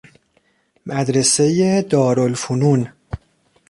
مدرسۀ دار الفنون